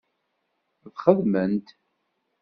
Ad xedment.